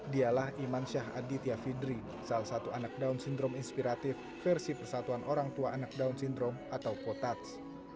dialah iman syah aditya fidri salah satu anak down syndrom inspiratif versi persatuan orang tua anak down syndrome atau potats